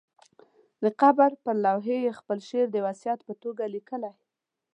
د قبر پر لوحې یې خپل شعر د وصیت په توګه لیکلی.